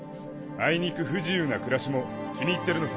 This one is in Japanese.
あいにく不自由な暮らしも気に入ってるのさ。